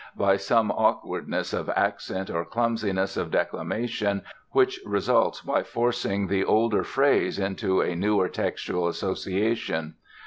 by some awkwardness of accent or clumsiness of declamation which results by forcing the older phrase into a newer textual association.